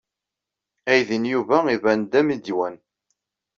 Aydi n Yuba iban-d d ammidwan.